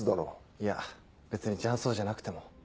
いや別に雀荘じゃなくても。